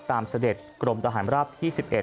เสด็จกรมทหารราบที่๑๑